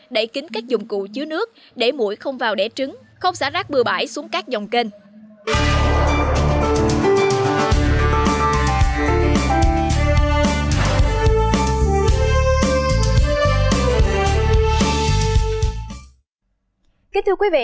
đẩy kính các dụng cụ chứa nước để mũi không vào đẻ trứng không xả rác bừa bãi xuống các dòng kênh